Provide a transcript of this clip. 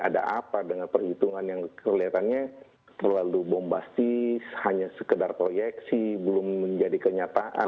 ada apa dengan perhitungan yang kelihatannya terlalu bombastis hanya sekedar proyeksi belum menjadi kenyataan